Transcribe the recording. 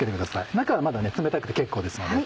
中はまだね冷たくて結構ですので。